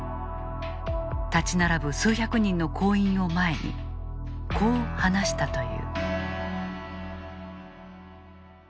立ち並ぶ数百人の行員を前にこう話したという。